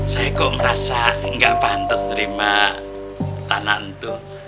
saya kok merasa gak pantas menerima tanah itu